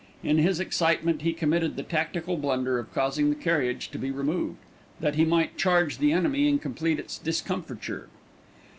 In his excitement he committed the tactical blunder of causing the carriage to be removed, that he might charge the enemy and complete its discomfiture.